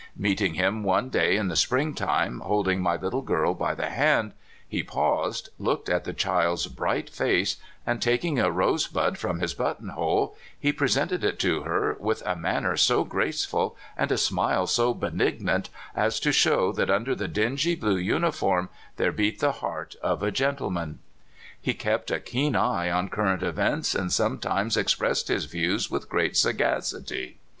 Meeting him one day, in the springtime, holding my little girl by the hand, he paused, looked at the child's bright face, and, tak ing a rosebud from his buttonhole, he presented it to her with a manner so graceful, and a smile so benignant, as to show that under the dingy blue uniform there beat the heart of a gentleman. He kept a keen eye on current events, and sometimes expressed his views with great sagacity.